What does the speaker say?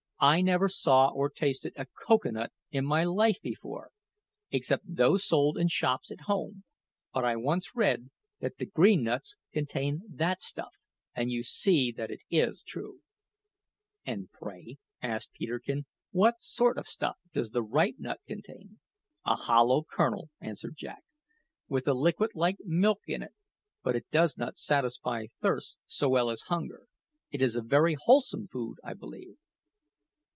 I never saw or tasted a cocoa nut in my life before, except those sold in shops at home; but I once read that the green nuts contain that stuff; and you see it is true." "And, pray," asked Peterkin, "what sort of `stuff' does the ripe nut contain?" "A hollow kernel," answered Jack, "with a liquid like milk in it; but it does not satisfy thirst so well as hunger. It is very wholesome food, I believe."